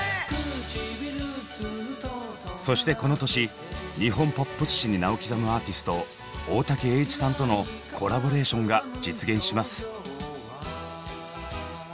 そしてこの年日本ポップス史に名を刻むアーティスト大滝詠一さんとのコラボレーションが実現します。